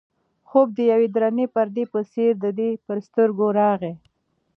خوب د یوې درنې پردې په څېر د ده پر سترګو راغی.